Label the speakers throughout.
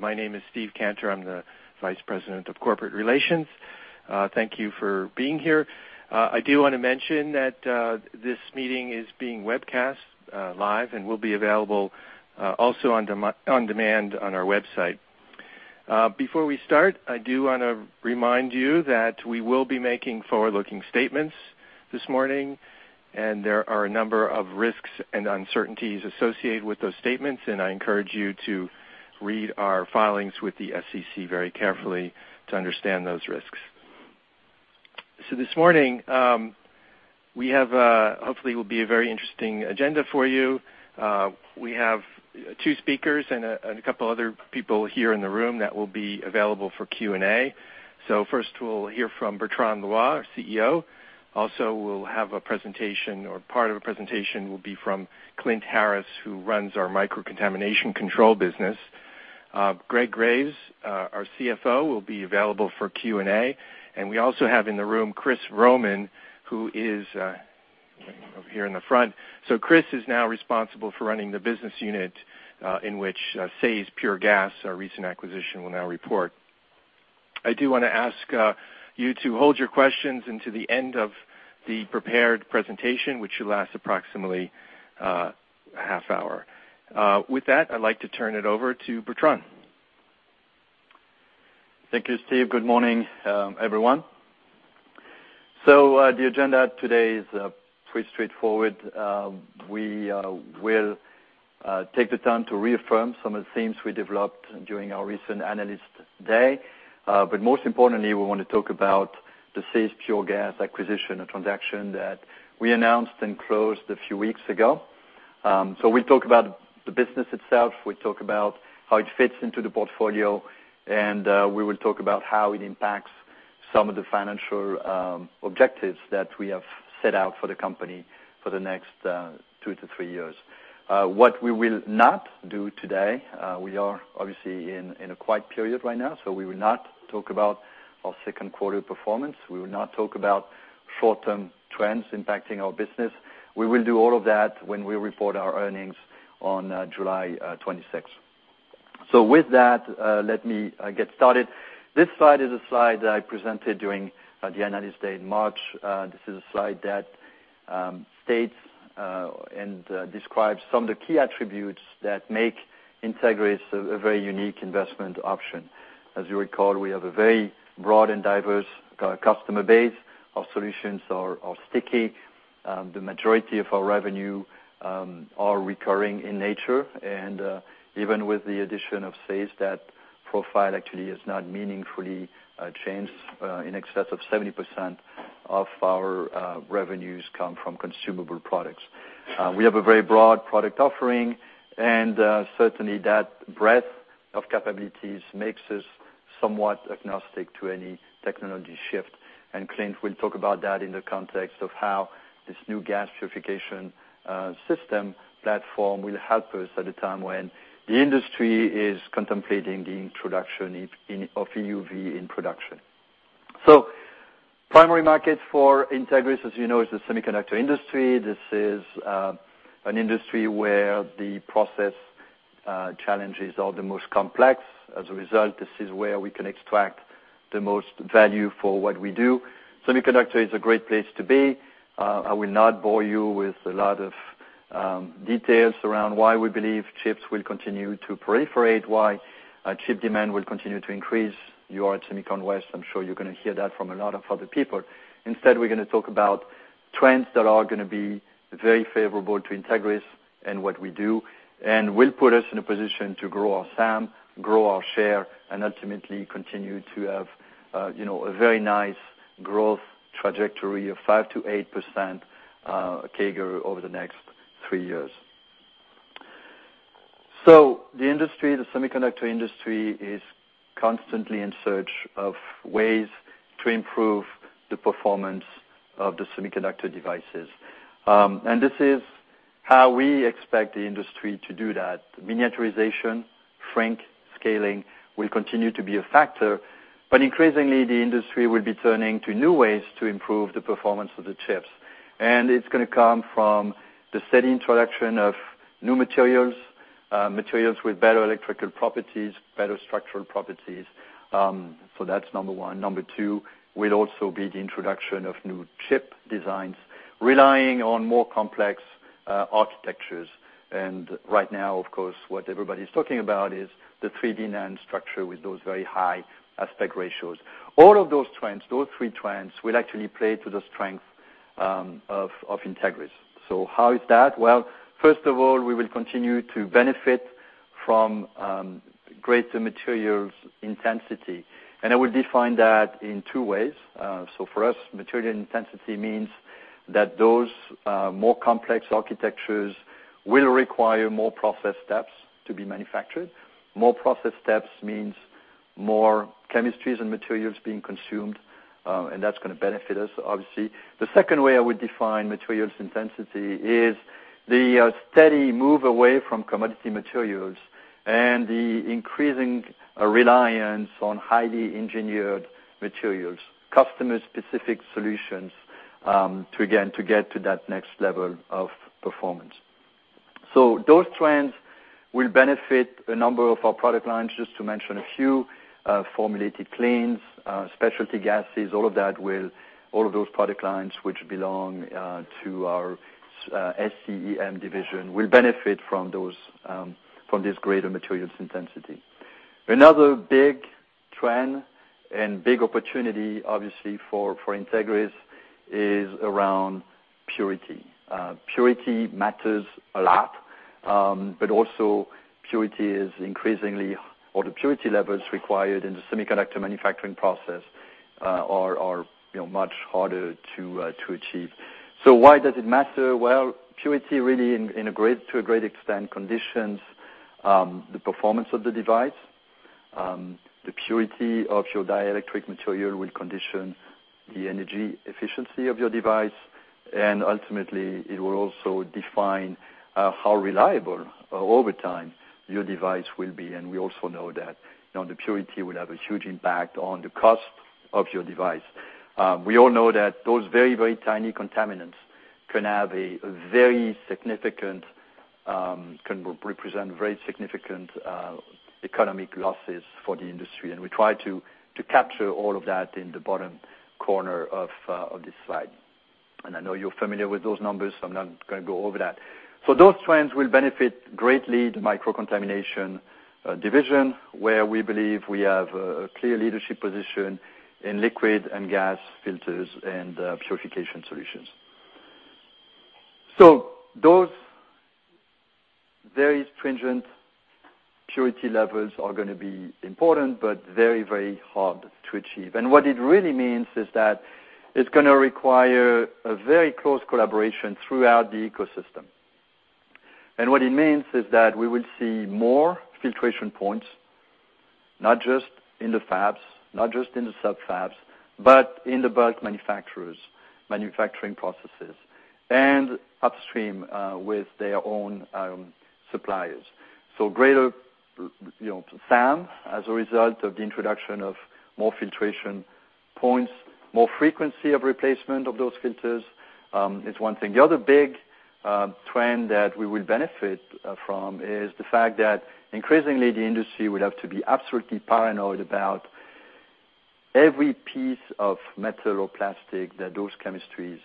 Speaker 1: My name is Steve Cantor. I'm the Vice President of Corporate Relations. Thank you for being here. I do want to mention that this meeting is being webcast live and will be available also on demand on our website. Before we start, I do want to remind you that we will be making forward-looking statements this morning, and there are a number of risks and uncertainties associated with those statements, and I encourage you to read our filings with the SEC very carefully to understand those risks. This morning, we have a, hopefully, will be a very interesting agenda for you. We have two speakers and a couple other people here in the room that will be available for Q&A. First, we'll hear from Bertrand Loy, our CEO. We'll have a presentation, or part of a presentation will be from Clint Haris, who runs our Microcontamination Control business. Greg Graves, our CFO, will be available for Q&A. We also have in the room Chris Roman, who is over here in the front. Chris is now responsible for running the business unit, in which SAES Pure Gas, our recent acquisition, will now report. I do want to ask you to hold your questions until the end of the prepared presentation, which should last approximately a half hour. With that, I'd like to turn it over to Bertrand.
Speaker 2: Thank you, Steve. Good morning, everyone. The agenda today is pretty straightforward. We will take the time to reaffirm some of the themes we developed during our recent Analyst Day. Most importantly, we want to talk about the SAES Pure Gas acquisition, a transaction that we announced and closed a few weeks ago. We'll talk about the business itself, we'll talk about how it fits into the portfolio, and we will talk about how it impacts some of the financial objectives that we have set out for the company for the next two to three years. What we will not do today, we are obviously in a quiet period right now, we will not talk about our second quarter performance. We will not talk about short-term trends impacting our business. We will do all of that when we report our earnings on July 26th. With that, let me get started. This slide is a slide that I presented during the Analyst Day in March. This is a slide that states and describes some of the key attributes that make Entegris a very unique investment option. As you recall, we have a very broad and diverse customer base. Our solutions are sticky. The majority of our revenue are recurring in nature, and even with the addition of SAES, that profile actually has not meaningfully changed. In excess of 70% of our revenues come from consumable products. We have a very broad product offering, and certainly that breadth of capabilities makes us somewhat agnostic to any technology shift. Clint will talk about that in the context of how this new gas purification system platform will help us at a time when the industry is contemplating the introduction of EUV in production. Primary market for Entegris, as you know, is the semiconductor industry. This is an industry where the process challenges are the most complex. As a result, this is where we can extract the most value for what we do. Semiconductor is a great place to be. I will not bore you with a lot of details around why we believe chips will continue to proliferate, why chip demand will continue to increase. You are at SEMICON West. I'm sure you're going to hear that from a lot of other people. Instead, we're going to talk about trends that are going to be very favorable to Entegris and what we do and will put us in a position to grow our SAM, grow our share, and ultimately continue to have a very nice growth trajectory of 5%-8% CAGR over the next three years. The industry, the semiconductor industry, is constantly in search of ways to improve the performance of the semiconductor devices. This is how we expect the industry to do that. Miniaturization, shrink, scaling will continue to be a factor, but increasingly, the industry will be turning to new ways to improve the performance of the chips. It's going to come from the steady introduction of new materials with better electrical properties, better structural properties. That's number 1. Number 2 will also be the introduction of new chip designs relying on more complex architectures. Right now, of course, what everybody's talking about is the 3D NAND structure with those very high aspect ratios. All of those trends, those three trends, will actually play to the strength of Entegris. How is that? Well, first of all, we will continue to benefit from greater materials intensity. I will define that in two ways. For us, material intensity means that those more complex architectures will require more process steps to be manufactured. More process steps means more chemistries and materials being consumed, and that's going to benefit us, obviously. The second way I would define materials intensity is the steady move away from commodity materials and the increasing reliance on highly engineered materials, customer-specific solutions, to get to that next level of performance. Those trends will benefit a number of our product lines. Just to mention a few, formulated cleans, specialty gases, all of those product lines which belong to our SCEM division will benefit from this greater materials intensity. Another big trend and big opportunity, obviously, for Entegris is around purity. Purity matters a lot, but also the purity levels required in the semiconductor manufacturing process are much harder to achieve. Why does it matter? Well, purity really, to a great extent, conditions the performance of the device. The purity of your dielectric material will condition the energy efficiency of your device, and ultimately, it will also define how reliable over time your device will be. We also know that the purity will have a huge impact on the cost of your device. We all know that those very, very tiny contaminants can represent very significant economic losses for the industry. We try to capture all of that in the bottom corner of this slide. I know you're familiar with those numbers, I'm not going to go over that. Those trends will benefit greatly the Microcontamination Control division, where we believe we have a clear leadership position in liquid and gas filters and purification solutions. Those very stringent purity levels are going to be important, but very hard to achieve. What it really means is that it's going to require a very close collaboration throughout the ecosystem. What it means is that we will see more filtration points, not just in the fabs, not just in the sub fabs, but in the bulk manufacturing processes and upstream with their own suppliers. Greater SAM, as a result of the introduction of more filtration points, more frequency of replacement of those filters, is one thing. The other big trend that we will benefit from is the fact that increasingly, the industry will have to be absolutely paranoid about every piece of metal or plastic that those chemistries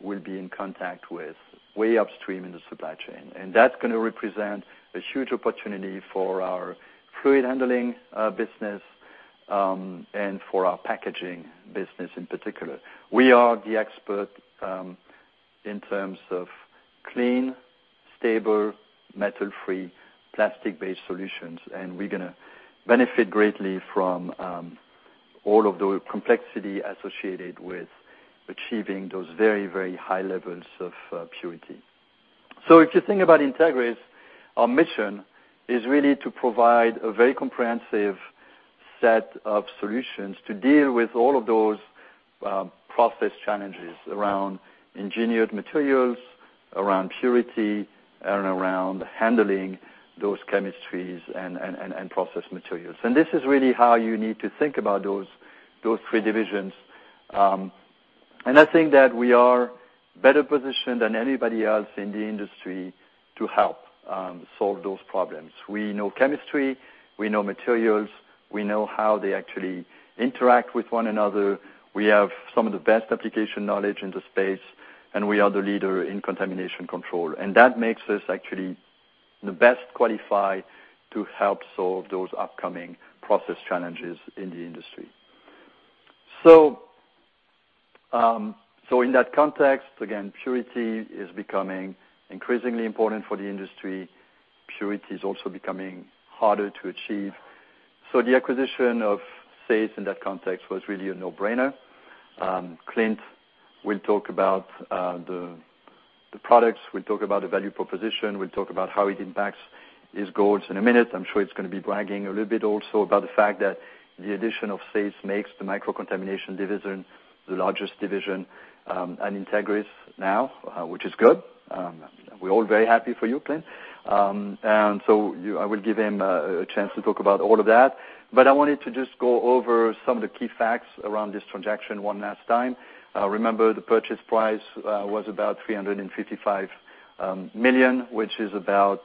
Speaker 2: will be in contact with way upstream in the supply chain. That's going to represent a huge opportunity for our fluid handling business and for our packaging business in particular. We are the expert in terms of clean, stable, metal-free, plastic-based solutions, and we're going to benefit greatly from all of the complexity associated with achieving those very high levels of purity. If you think about Entegris, our mission is really to provide a very comprehensive set of solutions to deal with all of those process challenges around engineered materials, around purity, and around handling those chemistries and process materials. This is really how you need to think about those three divisions. I think that we are better positioned than anybody else in the industry to help solve those problems. We know chemistry, we know materials, we know how they actually interact with one another. We have some of the best application knowledge in the space, and we are the leader in contamination control. That makes us actually the best qualified to help solve those upcoming process challenges in the industry. In that context, again, purity is becoming increasingly important for the industry. Purity is also becoming harder to achieve. The acquisition of SAES in that context was really a no-brainer. Clint will talk about the products, will talk about the value proposition, will talk about how it impacts his goals in a minute. I'm sure he's going to be bragging a little bit also about the fact that the addition of SAES makes the Microcontamination Control division the largest division at Entegris now, which is good. We're all very happy for you, Clint. I will give him a chance to talk about all of that. I wanted to just go over some of the key facts around this transaction one last time. Remember, the purchase price was about $355 million, which is about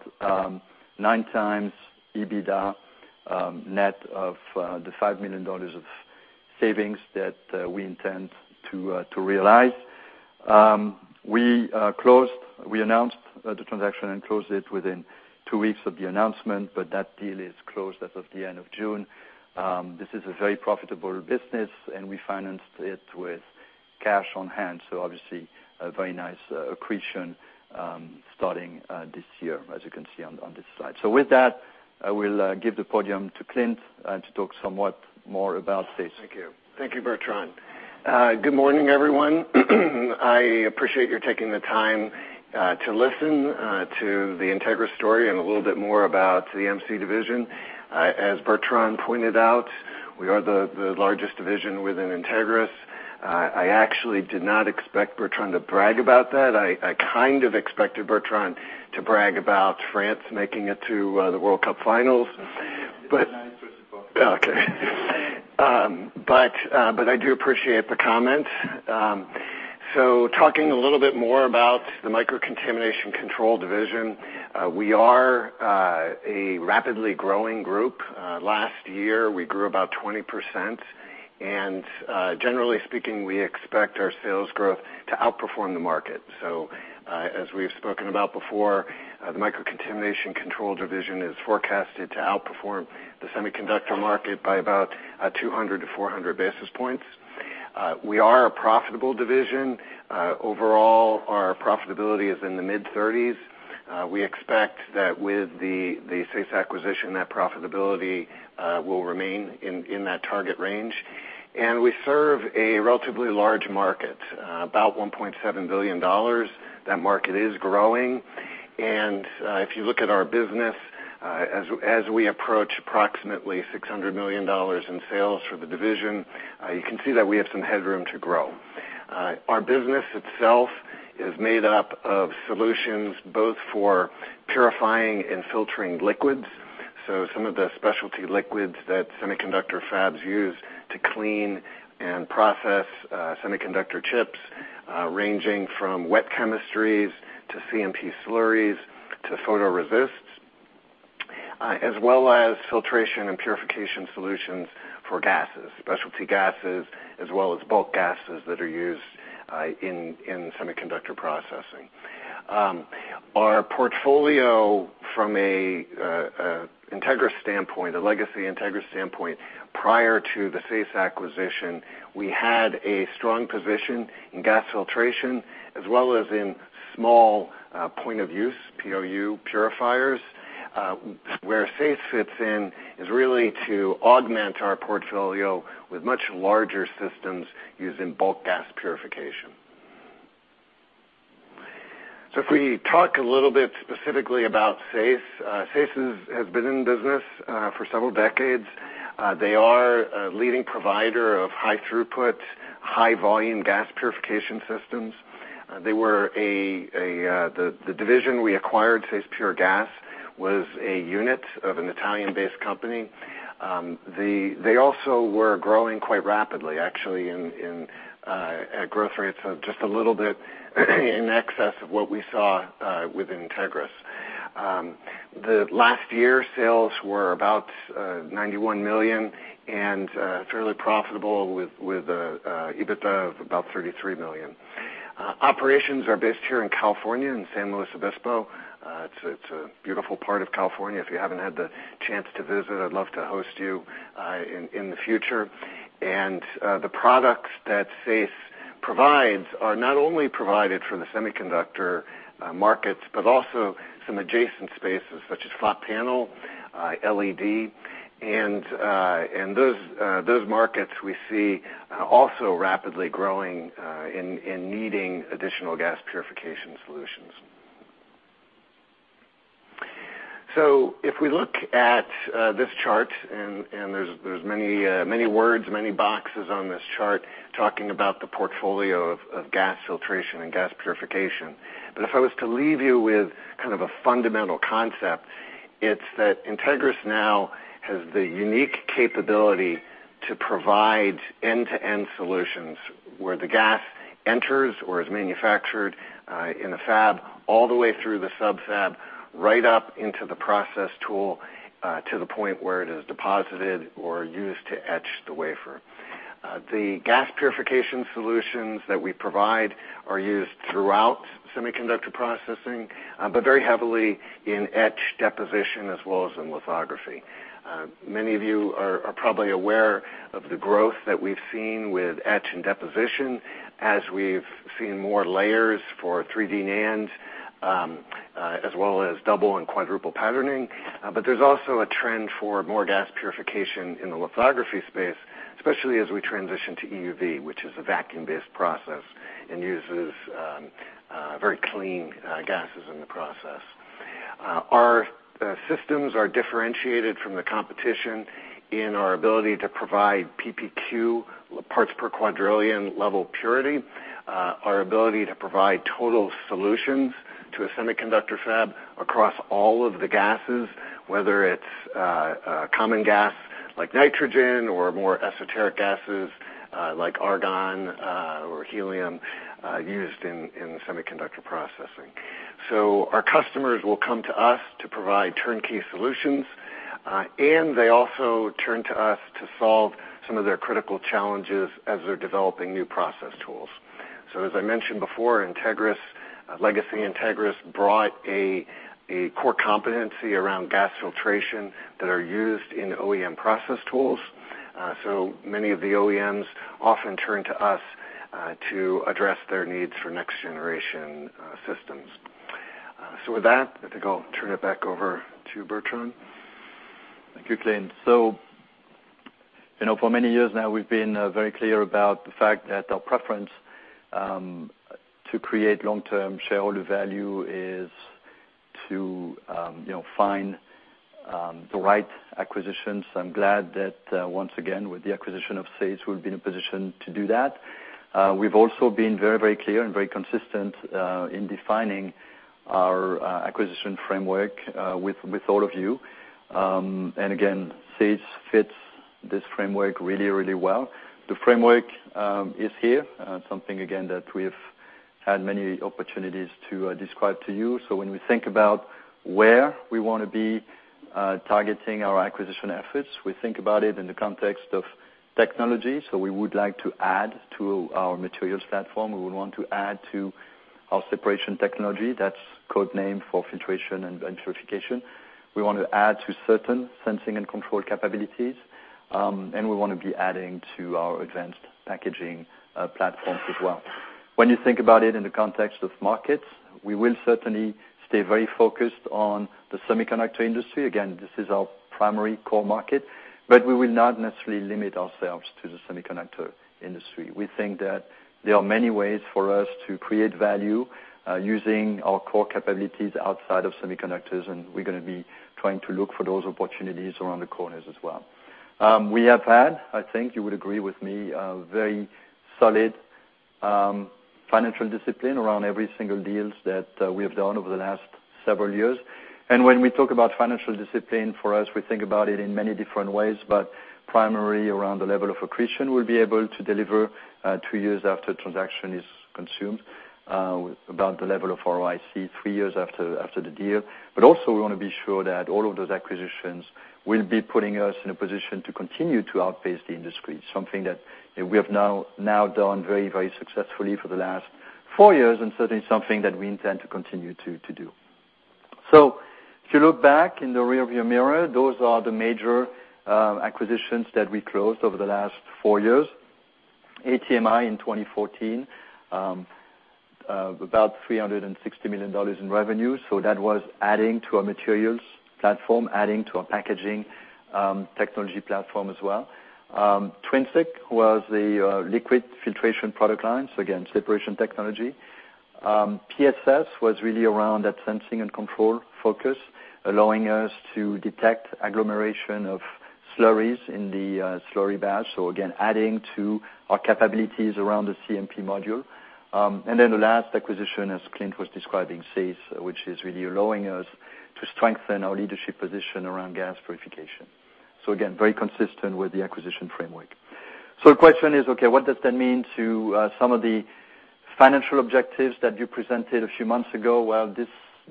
Speaker 2: nine times EBITDA net of the $5 million of savings that we intend to realize. We announced the transaction and closed it within two weeks of the announcement, but that deal is closed as of the end of June. This is a very profitable business, and we financed it with cash on hand. Obviously, a very nice accretion starting this year, as you can see on this slide. With that, I will give the podium to Clint to talk somewhat more about SAES.
Speaker 3: Thank you, Bertrand. Good morning, everyone. I appreciate your taking the time to listen to the Entegris story and a little bit more about the MC division. As Bertrand pointed out, we are the largest division within Entegris. I actually did not expect Bertrand to brag about that. I kind of expected Bertrand to brag about France making it to the World Cup finals.
Speaker 2: It's a nice first quote.
Speaker 3: Okay. I do appreciate the comment. Talking a little bit more about the Microcontamination Control division. We are a rapidly growing group. Last year, we grew about 20%, generally speaking, we expect our sales growth to outperform the market. As we've spoken about before, the Microcontamination Control division is forecasted to outperform the semiconductor market by about 200 to 400 basis points. We are a profitable division. Overall, our profitability is in the mid-30s. We expect that with the SAES acquisition, that profitability will remain in that target range. We serve a relatively large market, about $1.7 billion. That market is growing. If you look at our business, as we approach approximately $600 million in sales for the division, you can see that we have some headroom to grow. Our business itself is made up of solutions both for purifying and filtering liquids, some of the specialty liquids that semiconductor fabs use to clean and process semiconductor chips, ranging from wet chemistries to CMP slurries to photoresists, as well as filtration and purification solutions for gases, specialty gases, as well as bulk gases that are used in semiconductor processing. Our portfolio from a legacy Entegris standpoint, prior to the SAES acquisition, we had a strong position in gas filtration, as well as in small point-of-use, POU, purifiers. Where SAES fits in is really to augment our portfolio with much larger systems using bulk gas purification. If we talk a little bit specifically about SAES. SAES has been in business for several decades. They are a leading provider of high-throughput, high-volume gas purification systems. The division we acquired, SAES Pure Gas, was a unit of an Italian-based company. They also were growing quite rapidly, actually at growth rates of just a little bit in excess of what we saw with Entegris. The last year, sales were about $91 million and fairly profitable with an EBITDA of about $33 million. Operations are based here in California in San Luis Obispo. It's a beautiful part of California. If you haven't had the chance to visit, I'd love to host you in the future. The products that SAES provides are not only provided for the semiconductor markets, but also some adjacent spaces such as flat panel, LED, and those markets we see also rapidly growing and needing additional gas purification solutions. If we look at this chart, and there's many words, many boxes on this chart talking about the portfolio of gas filtration and gas purification. If I was to leave you with kind of a fundamental concept, it's that Entegris now has the unique capability to provide end-to-end solutions, where the gas enters or is manufactured in a fab all the way through the sub-fab, right up into the process tool, to the point where it is deposited or used to etch the wafer. The gas purification solutions that we provide are used throughout semiconductor processing, but very heavily in etch deposition, as well as in lithography. Many of you are probably aware of the growth that we've seen with etch and deposition, as we've seen more layers for 3D NAND, as well as double and quadruple patterning. There's also a trend for more gas purification in the lithography space, especially as we transition to EUV, which is a vacuum-based process and uses very clean gases in the process. Our systems are differentiated from the competition in our ability to provide PPQ, parts per quadrillion, level purity, our ability to provide total solutions to a semiconductor fab across all of the gases, whether it's a common gas like nitrogen or more esoteric gases like argon or helium used in semiconductor processing. Our customers will come to us to provide turnkey solutions. They also turn to us to solve some of their critical challenges as they're developing new process tools. As I mentioned before, legacy Entegris brought a core competency around gas filtration that are used in OEM process tools. Many of the OEMs often turn to us to address their needs for next-generation systems. With that, I think I'll turn it back over to Bertrand.
Speaker 2: Thank you, Clint. For many years now, we've been very clear about the fact that our preference to create long-term shareholder value is to find the right acquisitions. I'm glad that once again, with the acquisition of SAES, we've been in a position to do that. We've also been very clear and very consistent, in defining our acquisition framework with all of you. Again, SAES fits this framework really well. The framework is here, something again that we've had many opportunities to describe to you. When we think about where we want to be targeting our acquisition efforts, we think about it in the context of technology. We would like to add to our materials platform, we would want to add to our separation technology. That's code name for filtration and purification. We want to add to certain sensing and control capabilities, and we want to be adding to our advanced packaging platforms as well. When you think about it in the context of markets, we will certainly stay very focused on the semiconductor industry. Again, this is our primary core market, but we will not necessarily limit ourselves to the semiconductor industry. We think that there are many ways for us to create value, using our core capabilities outside of semiconductors. We're going to be trying to look for those opportunities around the corners as well. We have had, I think you would agree with me, a very solid financial discipline around every single deals that we have done over the last several years. When we talk about financial discipline, for us, we think about it in many different ways, but primarily around the level of accretion we'll be able to deliver 2 years after transaction is consumed, about the level of ROIC 3 years after the deal. Also we want to be sure that all of those acquisitions will be putting us in a position to continue to outpace the industry. Something that we have now done very successfully for the last 4 years and certainly something that we intend to continue to do. If you look back in the rear view mirror, those are the major acquisitions that we closed over the last 4 years. ATMI in 2014, about $360 million in revenue. That was adding to our materials platform, adding to our packaging technology platform as well. Trinzik was the liquid filtration product line. Again, separation technology. PSS was really around that sensing and control focus, allowing us to detect agglomeration of slurries in the slurry batch. Again, adding to our capabilities around the CMP module. Then the last acquisition, as Clint was describing, SAES, which is really allowing us to strengthen our leadership position around gas purification. Again, very consistent with the acquisition framework. The question is, okay, what does that mean to some of the financial objectives that you presented a few months ago?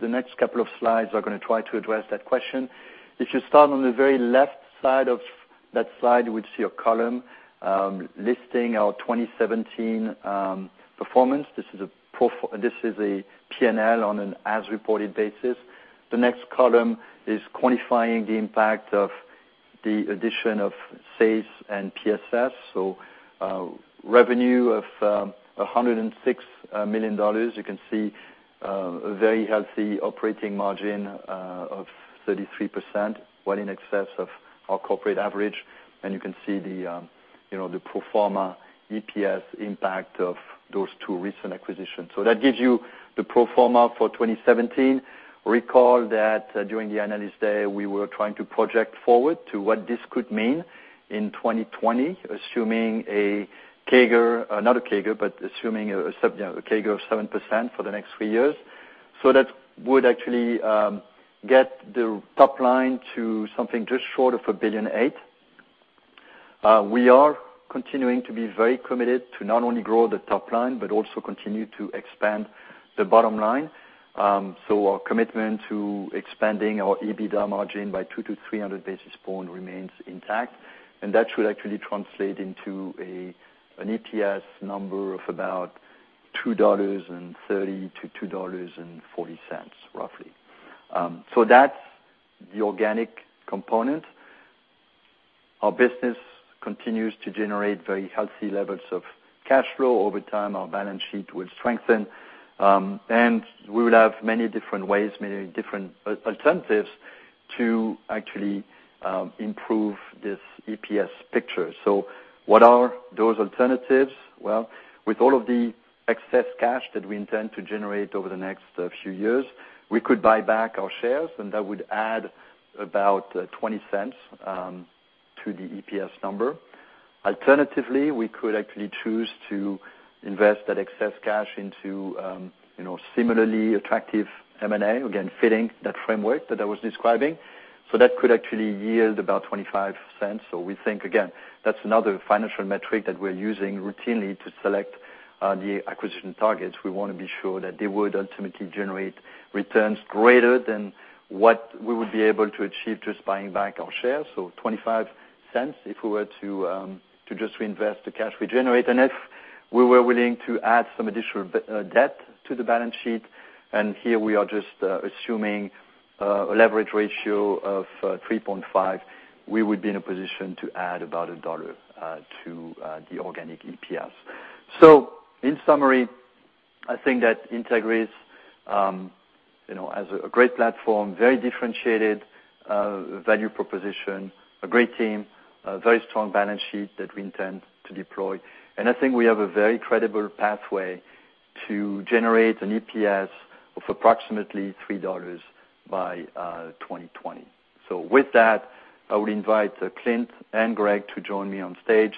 Speaker 2: The next couple of slides are going to try to address that question. If you start on the very left side of that slide, you would see a column, listing our 2017 performance. This is a P&L on an as reported basis. The next column is quantifying the impact of the addition of SAES and PSS. Revenue of $106 million. You can see a very healthy operating margin of 33%, well in excess of our corporate average. You can see the pro forma EPS impact of those two recent acquisitions. That gives you the pro forma for 2017. Recall that during the analyst day, we were trying to project forward to what this could mean in 2020, assuming a CAGR of 7% for the next three years. That would actually get the top line to something just short of $1.8 billion. We are continuing to be very committed to not only grow the top line, but also continue to expand the bottom line. Our commitment to expanding our EBITDA margin by 200 to 300 basis points remains intact. That should actually translate into an EPS number of about $2.30 to $2.40, roughly. That's the organic component. Our business continues to generate very healthy levels of cash flow. Over time, our balance sheet will strengthen. We will have many different ways, many different alternatives to actually improve this EPS picture. What are those alternatives? Well, with all of the excess cash that we intend to generate over the next few years, we could buy back our shares, and that would add about $0.20 to the EPS number. Alternatively, we could actually choose to invest that excess cash into similarly attractive M&A. Again, fitting that framework that I was describing. That could actually yield about $0.25. We think, again, that's another financial metric that we're using routinely to select the acquisition targets. We want to be sure that they would ultimately generate returns greater than what we would be able to achieve just buying back our shares. $0.25 if we were to just reinvest the cash we generate. If we were willing to add some additional debt to the balance sheet, and here we are just assuming a leverage ratio of 3.5, we would be in a position to add about $1 to the organic EPS. In summary, I think that Entegris has a great platform, very differentiated -value proposition, a great team, a very strong balance sheet that we intend to deploy. I think we have a very credible pathway to generate an EPS of approximately $3 by 2020. With that, I would invite Clint and Greg to join me on stage,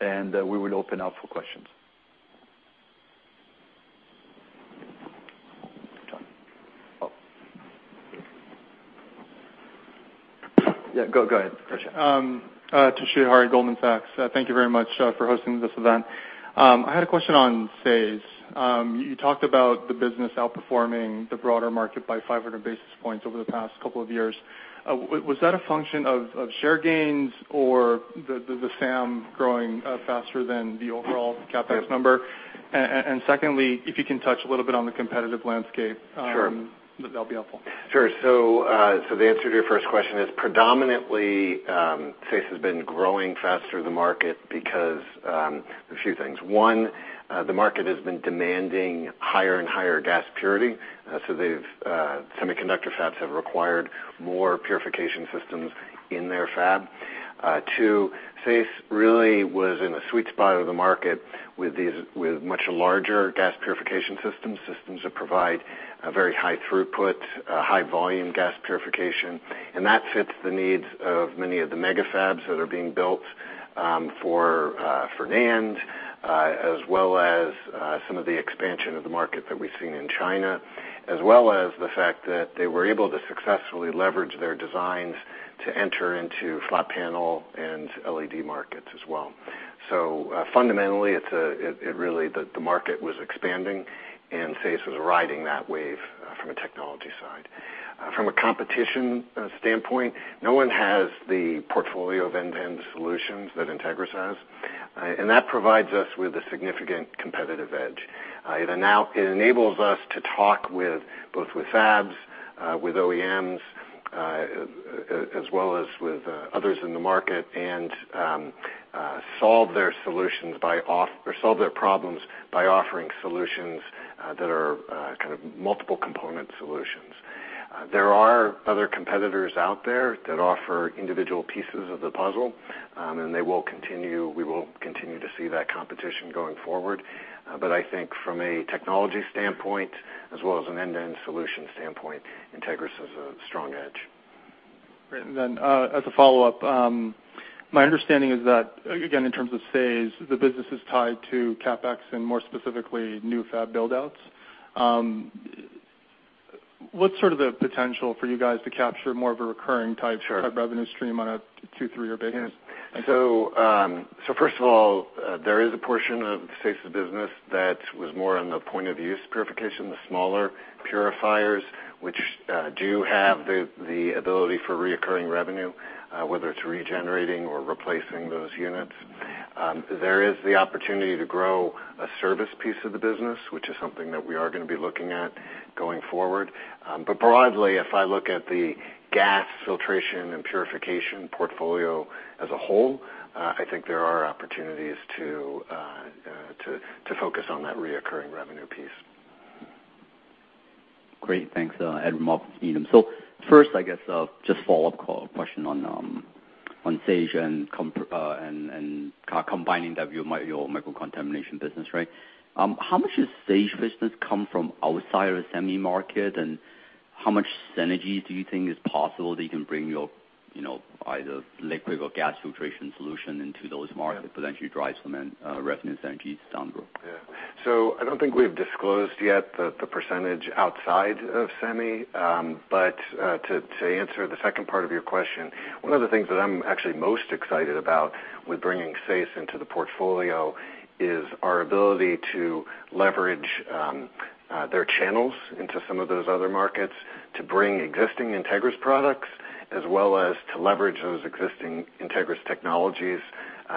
Speaker 2: and we will open up for questions. John. Oh.
Speaker 4: Yeah, go ahead, Keshav.
Speaker 5: Toshiya Hari, Goldman Sachs. Thank you very much for hosting this event. I had a question on SAES. You talked about the business outperforming the broader market by 500 basis points over the past couple of years. Was that a function of share gains or the SAM growing faster than the overall CapEx number? Secondly, if you can touch a little bit on the competitive landscape-
Speaker 3: Sure
Speaker 5: that'd be helpful.
Speaker 3: Sure. The answer to your first question is predominantly, SAES has been growing faster than the market because, a few things. One, the market has been demanding higher and higher gas purity, so the semiconductor fabs have required more purification systems in their fab. Two, SAES really was in a sweet spot of the market with much larger gas purification systems that provide a very high throughput, high volume gas purification. That fits the needs of many of the mega fabs that are being built for NAND, as well as some of the expansion of the market that we've seen in China, as well as the fact that they were able to successfully leverage their designs to enter into flat panel and LED markets as well. Fundamentally, the market was expanding and SAES was riding that wave from a technology side. From a competition standpoint, no one has the portfolio of end-to-end solutions that Entegris has. That provides us with a significant competitive edge. It enables us to talk both with fabs, with OEMs, as well as with others in the market and solve their problems by offering solutions that are kind of multiple component solutions. There are other competitors out there that offer individual pieces of the puzzle, and we will continue to see that competition going forward. I think from a technology standpoint, as well as an end-to-end solution standpoint, Entegris has a strong edge.
Speaker 5: Great. As a follow-up, my understanding is that, again, in terms of SAES, the business is tied to CapEx and more specifically, new fab build-outs. What's sort of the potential for you guys to capture more of a recurring type-
Speaker 3: Sure
Speaker 5: type revenue stream on a two, three-year basis?
Speaker 3: First of all, there is a portion of SAES' business that was more on the point of use purification, the smaller purifiers, which do have the ability for recurring revenue, whether it's regenerating or replacing those units. There is the opportunity to grow a service piece of the business, which is something that we are going to be looking at going forward. Broadly, if I look at the gas filtration and purification portfolio as a whole, I think there are opportunities to focus on that recurring revenue piece.
Speaker 6: Great. Thanks. Michael Nathanson. First, I guess, just a follow-up question on SAES and combining that with your Microcontamination business, right? How much of SAES business come from outside of the semi market, and how much synergy do you think is possible that you can bring your either liquid or gas filtration solution into those markets that potentially drives some revenue synergies down the road?
Speaker 3: Yeah. I don't think we've disclosed yet the percentage outside of semi. To answer the second part of your question, one of the things that I'm actually most excited about with bringing SAES into the portfolio is our ability to leverage their channels into some of those other markets to bring existing Entegris products, as well as to leverage those existing Entegris technologies,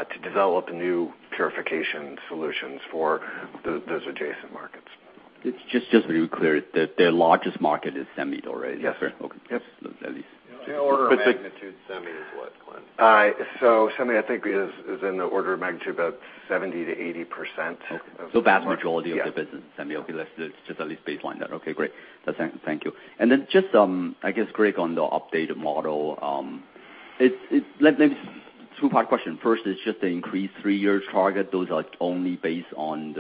Speaker 3: to develop new purification solutions for those adjacent markets.
Speaker 6: Just to be clear, their largest market is semi though, right?
Speaker 3: Yes.
Speaker 6: Okay.
Speaker 3: Yes.
Speaker 6: At least.
Speaker 4: The order of magnitude, semi is what, Clint?
Speaker 3: Semi, I think is in the order of magnitude about 70%-80%.
Speaker 6: Okay. Vast majority-
Speaker 3: Yes
Speaker 6: of the business, semi. Okay. Let's just at least baseline that. Okay, great. Thank you. Then just, I guess, Greg, on the updated model. Two-part question. First is just the increased three-year target. Those are only based on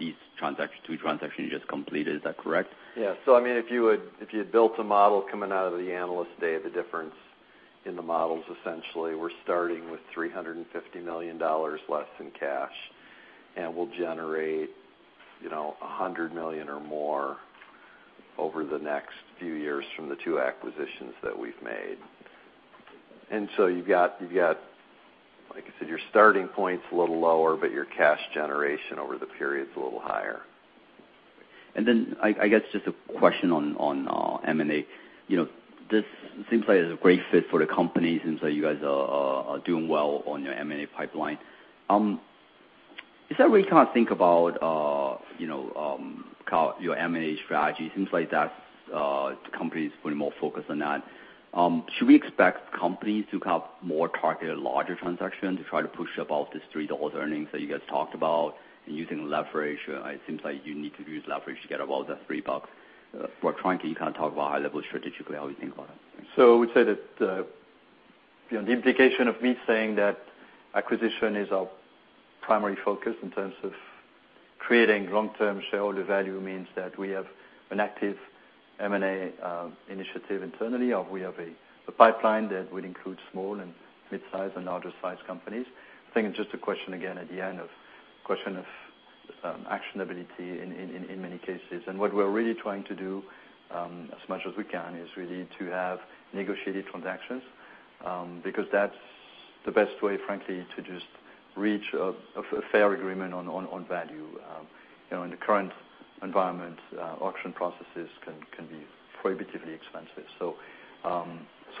Speaker 6: these two transactions you just completed. Is that correct?
Speaker 4: Yeah. If you had built a model coming out of the Analyst Day, the difference in the models, essentially, we're starting with $350 million less in cash. We'll generate $100 million or more over the next few years from the two acquisitions that we've made. You've got, like I said, your starting point's a little lower, but your cash generation over the period's a little higher.
Speaker 6: I guess just a question on M&A. This seems like it's a great fit for the company, seems like you guys are doing well on your M&A pipeline. Is there a way you can think about your M&A strategy? It seems like that company's putting more focus on that. Should we expect companies to have more targeted larger transactions to try to push above this $3 earnings that you guys talked about and using leverage? It seems like you need to use leverage to get above that three bucks. For Frank, can you talk about high level strategically, how you think about it?
Speaker 2: I would say that the implication of me saying that acquisition is our primary focus in terms of creating long-term shareholder value means that we have an active M&A initiative internally, or we have a pipeline that would include small and mid-size and larger size companies. I think it's just a question, again, at the end of actionability in many cases. What we're really trying to do, as much as we can, is really to have negotiated transactions, because that's the best way, frankly, to just reach a fair agreement on value. In the current environment, auction processes can be prohibitively expensive.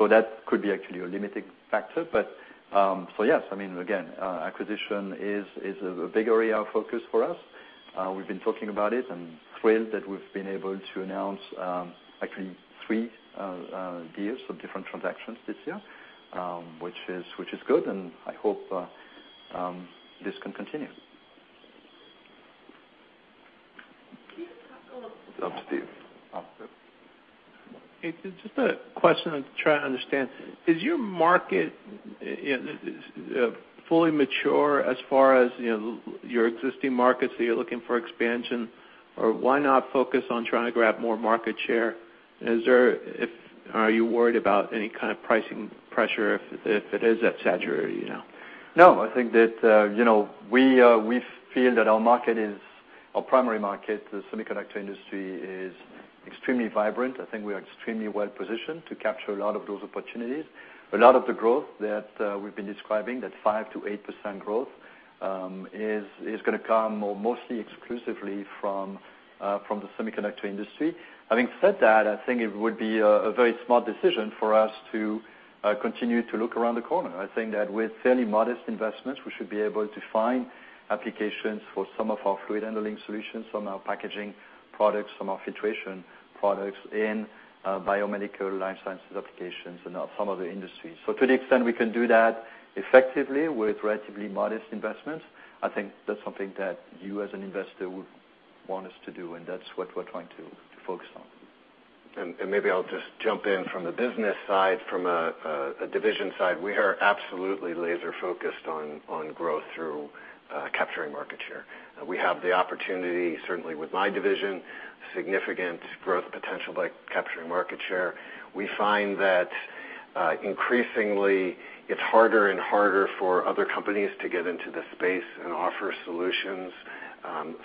Speaker 2: That could be actually a limiting factor, but, yes. Again, acquisition is a big area of focus for us. We've been talking about it and thrilled that we've been able to announce actually three deals for different transactions this year, which is good, I hope this can continue.
Speaker 4: Can you talk a little bit-
Speaker 2: That's Steve. Oh, Steve.
Speaker 7: Hey, just a question I'm trying to understand. Is your market fully mature as far as your existing markets that you're looking for expansion? Why not focus on trying to grab more market share? Are you worried about any kind of pricing pressure if it is that saturated now?
Speaker 2: No, I think that we feel that our primary market, the semiconductor industry, is extremely vibrant. I think we are extremely well-positioned to capture a lot of those opportunities. A lot of the growth that we've been describing, that 5%-8% growth, is going to come mostly exclusively from the semiconductor industry. Having said that, I think it would be a very smart decision for us to continue to look around the corner. I think that with fairly modest investments, we should be able to find applications for some of our fluid handling solutions, some of our packaging products, some of our filtration products in biomedical life sciences applications and some other industries. To the extent we can do that effectively with relatively modest investments, I think that's something that you as an investor would want us to do, and that's what we're trying to focus on.
Speaker 3: Maybe I'll just jump in from the business side, from a division side. We are absolutely laser-focused on growth through capturing market share. We have the opportunity, certainly with my division, significant growth potential by capturing market share. We find that increasingly it's harder and harder for other companies to get into the space and offer solutions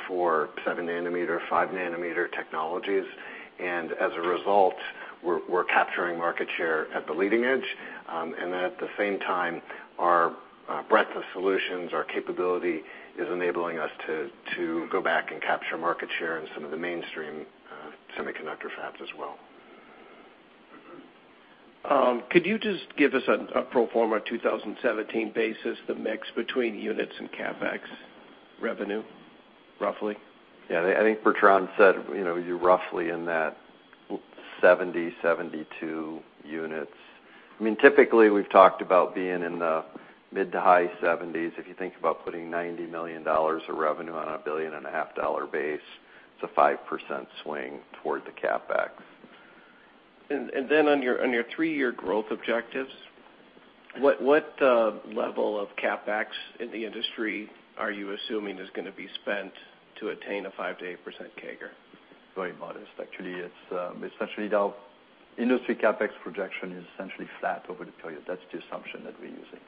Speaker 3: for 7 nanometer, 5 nanometer technologies. As a result, we're capturing market share at the leading edge. Then at the same time, our breadth of solutions, our capability, is enabling us to go back and capture market share in some of the mainstream semiconductor fabs as well.
Speaker 7: Could you just give us a pro forma 2017 basis, the mix between units and CapEx revenue, roughly?
Speaker 3: Yeah. I think Bertrand said, you're roughly in that 70, 72 units. Typically, we've talked about being in the mid to high 70s. If you think about putting $90 million of revenue on a billion and a half dollar base, it's a 5% swing toward the CapEx.
Speaker 7: On your three-year growth objectives, what level of CapEx in the industry are you assuming is going to be spent to attain a 5%-8% CAGR?
Speaker 2: Very modest. Actually, it's essentially our industry CapEx projection is essentially flat over the period. That's the assumption that we're using.
Speaker 7: Okay.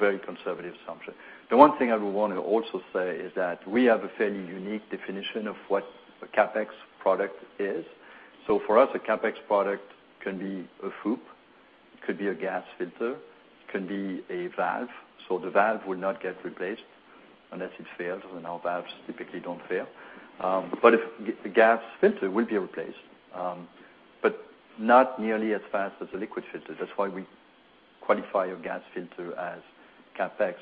Speaker 2: Very conservative assumption. The one thing I would want to also say is that we have a fairly unique definition of what a CapEx product is. For us, a CapEx product can be a FOUP, it could be a gas filter, it can be a valve. The valve will not get replaced unless it fails, and our valves typically don't fail. A gas filter will be replaced. Not nearly as fast as a liquid filter. That's why we qualify a gas filter as CapEx.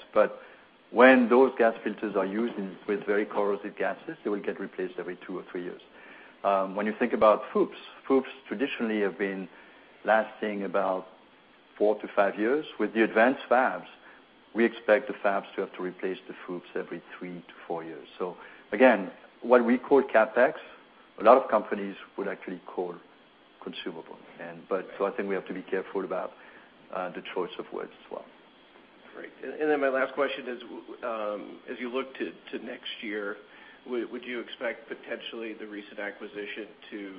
Speaker 2: When those gas filters are used with very corrosive gases, they will get replaced every two or three years. When you think about FOUPs traditionally have been lasting about four to five years. With the advanced fabs, we expect the fabs to have to replace the FOUPs every three to four years. Again, what we call CapEx, a lot of companies would actually call consumable. I think we have to be careful about the choice of words as well.
Speaker 7: Great. My last question is, as you look to next year, would you expect potentially the recent acquisition to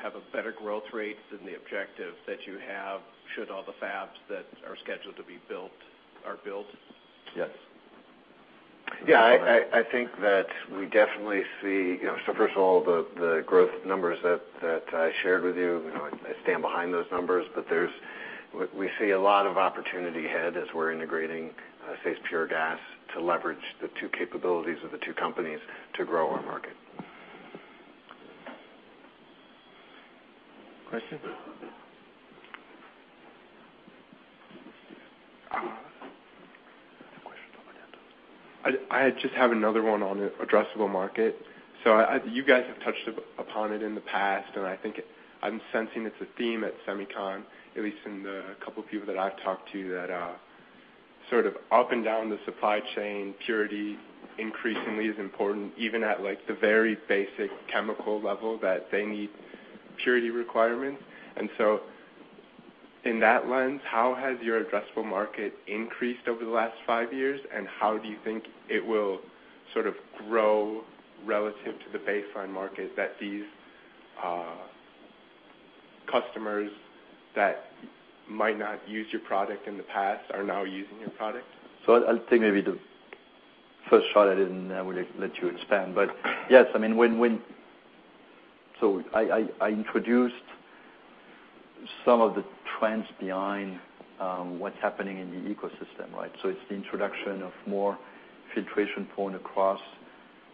Speaker 7: have a better growth rate than the objective that you have should all the fabs that are scheduled to be built are built?
Speaker 2: Yes.
Speaker 3: Yeah, I think that we definitely. First of all, the growth numbers that I shared with you, I stand behind those numbers, but we see a lot of opportunity ahead as we're integrating SAES Pure Gas to leverage the two capabilities of the two companies to grow our market.
Speaker 1: Questions?
Speaker 7: I just have another one on addressable market. You guys have touched upon it in the past, and I think I'm sensing it's a theme at SEMICON, at least in the couple of people that I've talked to, that up and down the supply chain, purity increasingly is important, even at the very basic chemical level, that they need purity requirements. In that lens, how has your addressable market increased over the last five years, and how do you think it will grow relative to the baseline market that these customers that might not use your product in the past are now using your product?
Speaker 2: I'll take maybe the first shot at it, I will let you expand. But yes, I introduced some of the trends behind what's happening in the ecosystem, right? It's the introduction of more filtration points across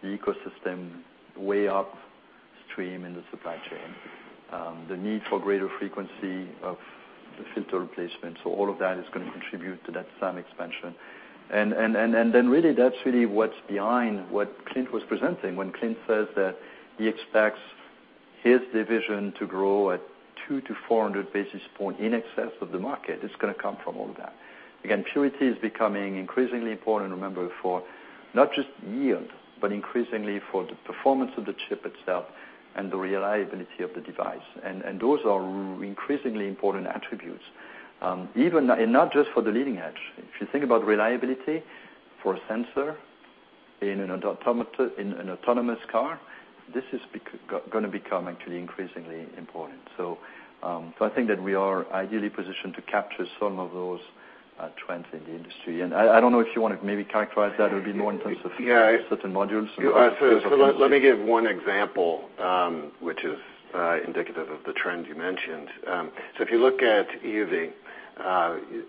Speaker 2: the ecosystem, way upstream in the supply chain. The need for greater frequency of the filter replacement. All of that is going to contribute to that SAM expansion. Really that's what's behind what Clint was presenting. When Clint says that he expects his division to grow at 200 to 400 basis point in excess of the market, it's going to come from all of that. Again, purity is becoming increasingly important, remember, for not just yield, but increasingly for the performance of the chip itself and the reliability of the device. Those are increasingly important attributes. Not just for the leading edge. If you think about reliability for a sensor in an autonomous car, this is going to become actually increasingly important. I think that we are ideally positioned to capture some of those trends in the industry. I don't know if you want to maybe characterize that a bit more in terms of-
Speaker 3: Yeah
Speaker 2: certain modules.
Speaker 3: Let me give one example, which is indicative of the trend you mentioned. If you look at EUV.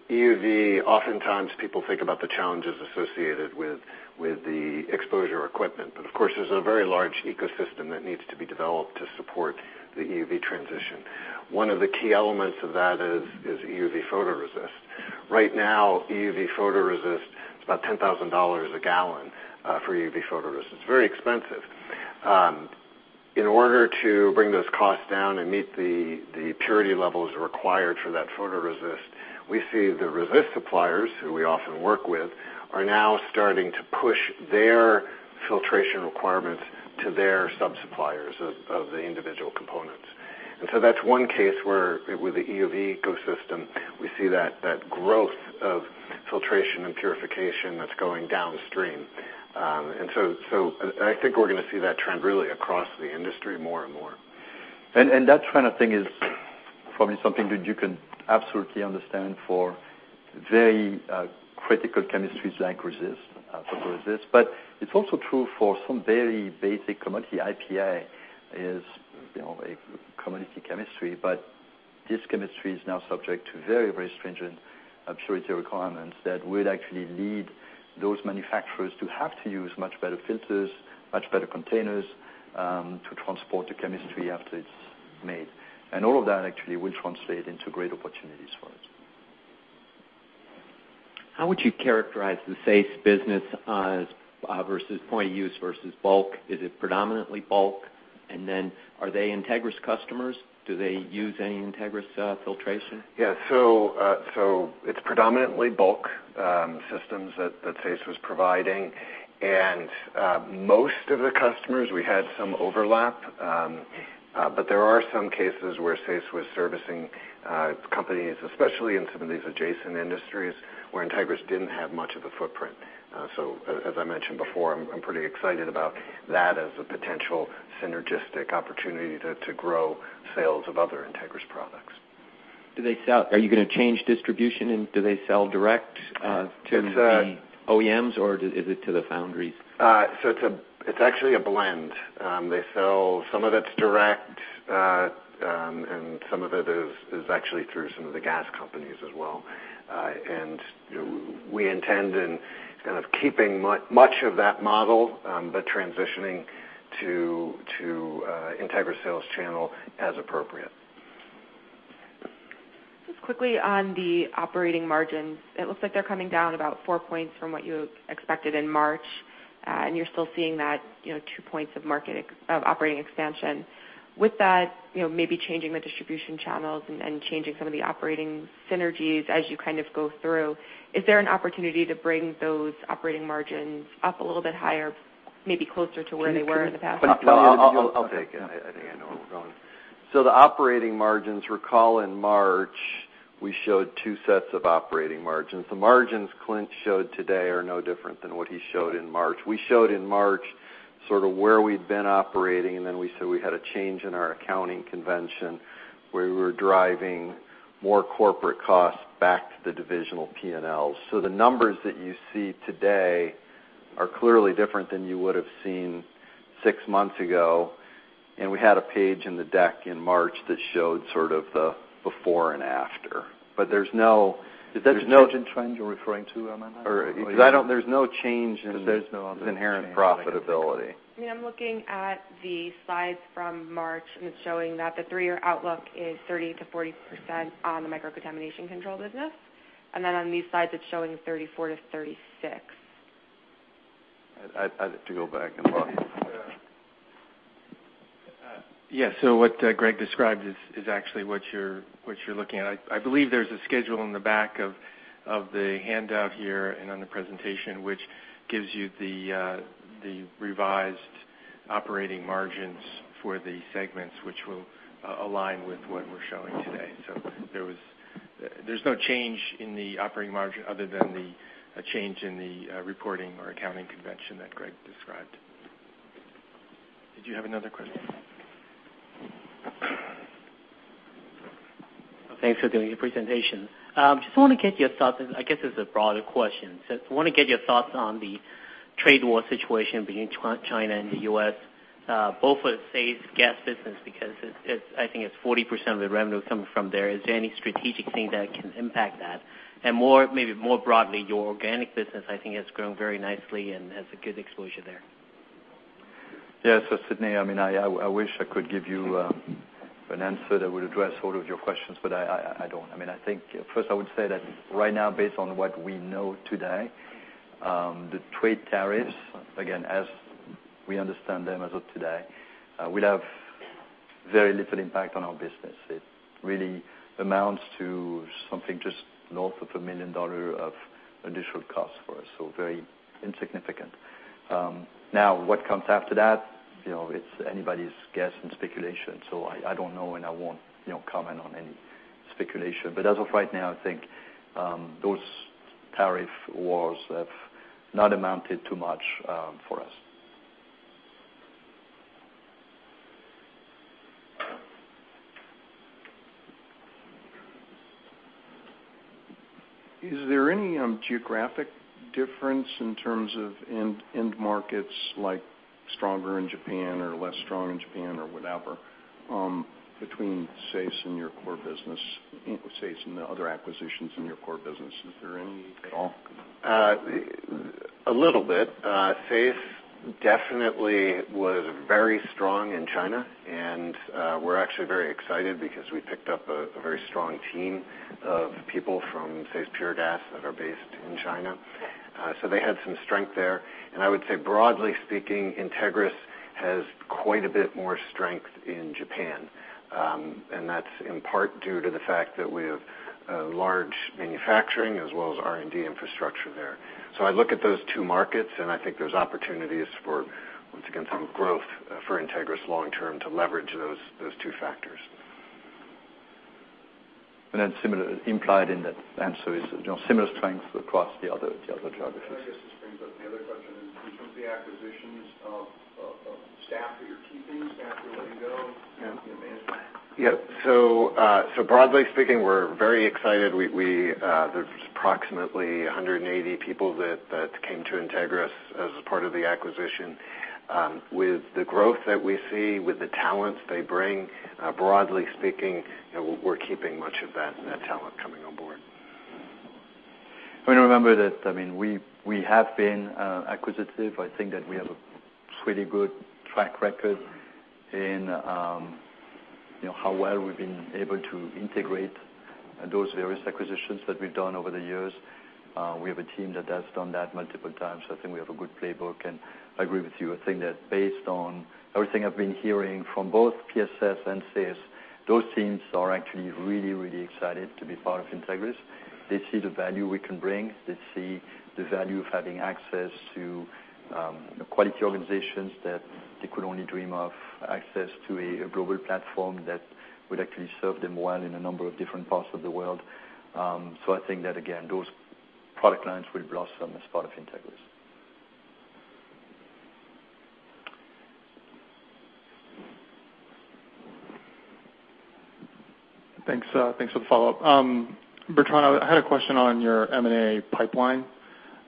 Speaker 3: EUV, oftentimes people think about the challenges associated with the exposure equipment. Of course, there's a very large ecosystem that needs to be developed to support the EUV transition. One of the key elements of that is EUV photoresist. Right now, EUV photoresist is about $10,000 a gallon for EUV photoresist. It's very expensive. In order to bring those costs down and meet the purity levels required for that photoresist, we see the resist suppliers, who we often work with, are now starting to push their filtration requirements to their sub-suppliers of the individual components. That's one case where, with the EUV ecosystem, we see that growth of filtration and purification that's going downstream. I think we're going to see that trend really across the industry more and more.
Speaker 2: That kind of thing is probably something that you can absolutely understand for very critical chemistries like resist, photoresist. It's also true for some very basic commodity. IPA is a commodity chemistry, but this chemistry is now subject to very, very stringent purity requirements that will actually lead those manufacturers to have to use much better filters, much better containers, to transport the chemistry after it's made. All of that actually will translate into great opportunities for us.
Speaker 7: How would you characterize the SAES business versus point of use versus bulk? Is it predominantly bulk? Are they Entegris customers? Do they use any Entegris filtration?
Speaker 3: Yeah. It's predominantly bulk systems that SAES was providing. Most of the customers, we had some overlap, but there are some cases where SAES was servicing companies, especially in some of these adjacent industries, where Entegris didn't have much of a footprint. As I mentioned before, I'm pretty excited about that as a potential synergistic opportunity to grow sales of other Entegris products.
Speaker 7: Are you going to change distribution, and do they sell direct to the OEMs, or is it to the foundries?
Speaker 3: It's actually a blend. They sell, some of it's direct, and some of it is actually through some of the gas companies as well. We intend in kind of keeping much of that model, but transitioning to Entegris sales channel as appropriate.
Speaker 7: Just quickly on the operating margins. It looks like they're coming down about 4 points from what you expected in March. You're still seeing that 2 points of operating expansion. With that, maybe changing the distribution channels and changing some of the operating synergies as you go through. Is there an opportunity to bring those operating margins up a little bit higher, maybe closer to where they were in the past?
Speaker 2: Can I take it?
Speaker 4: I'll take it. I think I know where we're going. The operating margins, recall in March, we showed two sets of operating margins. The margins Clint showed today are no different than what he showed in March. We showed in March sort of where we'd been operating, and then we said we had a change in our accounting convention, where we were driving more corporate costs back to the divisional P&L. The numbers that you see today are clearly different than you would have seen 6 months ago, and we had a page in the deck in March that showed sort of the before and after.
Speaker 2: Is that the change in trend you're referring to, Amanda?
Speaker 4: Because there's no change.
Speaker 2: There's no other change that I can think of
Speaker 4: inherent profitability.
Speaker 7: I mean, I'm looking at the slides from March, and it's showing that the three-year outlook is 30%-40% on the Microcontamination Control business. On these slides, it's showing 34%-36%.
Speaker 3: I'd have to go back and look
Speaker 1: Yes. What Greg described is actually what you're looking at. I believe there's a schedule in the back of the handout here and on the presentation, which gives you the revised operating margins for the segments, which will align with what we're showing today. There's no change in the operating margin other than the change in the reporting or accounting convention that Greg described. Did you have another question?
Speaker 7: Thanks for doing your presentation. Just want to get your thoughts, and I guess this is a broader question. I want to get your thoughts on the trade war situation between China and the U.S., both for the SAES gas business, because I think it's 40% of the revenue coming from there. Is there any strategic thing that can impact that? Maybe more broadly, your organic business, I think, has grown very nicely and has a good exposure there.
Speaker 2: Sidney, I wish I could give you an answer that would address all of your questions, but I don't. First, I would say that right now, based on what we know today, the trade tariffs, again, as we understand them as of today, will have very little impact on our business. It really amounts to something just north of $1 million of additional cost for us. Very insignificant. What comes after that? It's anybody's guess and speculation. I don't know, and I won't comment on any speculation. As of right now, I think those tariff wars have not amounted to much for us.
Speaker 7: Is there any geographic difference in terms of end markets, like stronger in Japan or less strong in Japan or whatever, between SAES and your core business, SAES and the other acquisitions in your core business? Is there any at all?
Speaker 3: A little bit. SAES definitely was very strong in China, and we're actually very excited because we picked up a very strong team of people from SAES Pure Gas that are based in China. They had some strength there. I would say, broadly speaking, Entegris has quite a bit more strength in Japan. That's in part due to the fact that we have a large manufacturing as well as R&D infrastructure there. I look at those two markets, and I think there's opportunities for, once again, some growth for Entegris long term to leverage those two factors.
Speaker 2: Implied in that answer is similar strength across the other geographies.
Speaker 7: I guess this brings up the other question is, in terms of the acquisitions of staff that you're keeping, staff you're letting go, management.
Speaker 3: Broadly speaking, we're very excited. There's approximately 180 people that came to Entegris as part of the acquisition. With the growth that we see, with the talents they bring, broadly speaking, we're keeping much of that talent coming on board.
Speaker 2: Remember that we have been acquisitive. I think that we have a pretty good track record in how well we've been able to integrate those various acquisitions that we've done over the years. We have a team that has done that multiple times. I think we have a good playbook, and I agree with you. I think that based on everything I've been hearing from both PSS and SAES, those teams are actually really, really excited to be part of Entegris. They see the value we can bring. They see the value of having access to quality organizations that they could only dream of, access to a global platform that would actually serve them well in a number of different parts of the world. I think that, again, those product lines will blossom as part of Entegris.
Speaker 5: Thanks for the follow-up. Bertrand, I had a question on your M&A pipeline.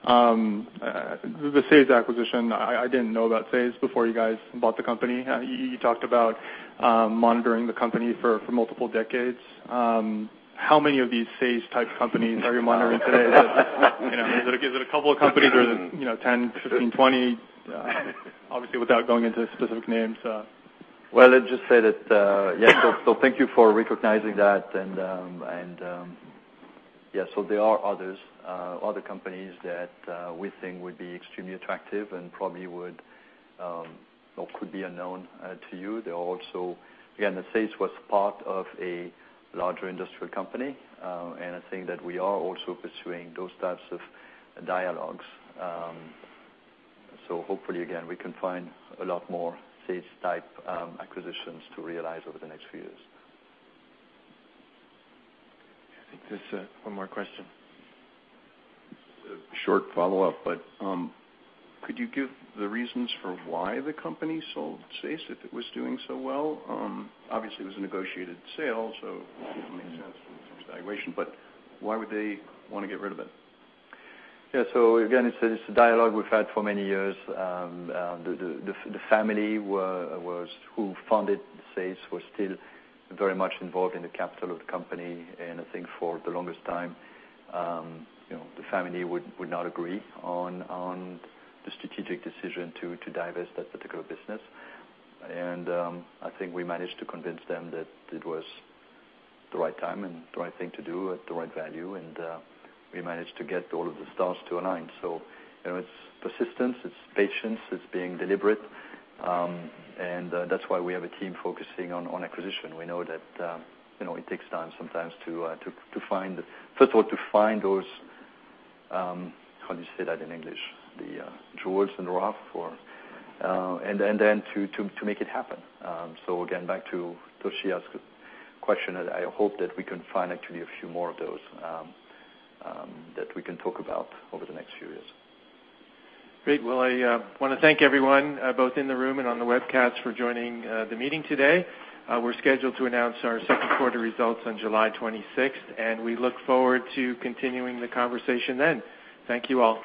Speaker 5: The SAES acquisition, I didn't know about SAES before you guys bought the company. You talked about monitoring the company for multiple decades. How many of these SAES-type companies are you monitoring today? Is it a couple of companies or is it 10, 15, 20? Obviously, without going into specific names.
Speaker 2: Well, let's just say that. Thank you for recognizing that. Yeah, there are other companies that we think would be extremely attractive and probably could be unknown to you. Again, SAES was part of a larger industrial company. I think that we are also pursuing those types of dialogues. Hopefully, again, we can find a lot more SAES-type acquisitions to realize over the next few years.
Speaker 1: I think there's one more question.
Speaker 7: A short follow-up, could you give the reasons for why the company sold SAES if it was doing so well? Obviously, it was a negotiated sale, so it makes sense from some valuation, but why would they want to get rid of it?
Speaker 2: Yeah. Again, it's a dialogue we've had for many years. The family who founded SAES was still very much involved in the capital of the company. I think for the longest time, the family would not agree on the strategic decision to divest that particular business. I think we managed to convince them that it was the right time and the right thing to do at the right value. We managed to get all of the stars to align. It's persistence, it's patience, it's being deliberate. That's why we have a team focusing on acquisition. We know that it takes time sometimes, first of all, to find those, how do you say that in English, the jewels in rough? Then to make it happen. Again, back to Toshiya's question, I hope that we can find actually a few more of those that we can talk about over the next few years.
Speaker 1: Great. Well, I want to thank everyone, both in the room and on the webcast, for joining the meeting today. We're scheduled to announce our second quarter results on July 26th, and we look forward to continuing the conversation then. Thank you all.